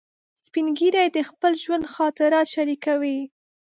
سپین ږیری د خپل ژوند خاطرات شریکوي